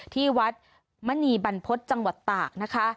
ที่วัดมณีบรรพฤษจังหวัดตากนะคะ